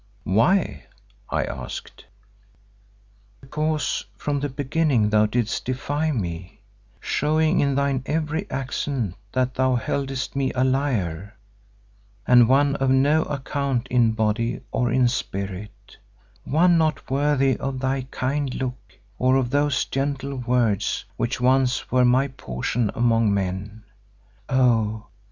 "Why?" I asked. "Because from the beginning thou didst defy me, showing in thine every accent that thou heldest me a liar and one of no account in body or in spirit, one not worthy of thy kind look, or of those gentle words which once were my portion among men. Oh!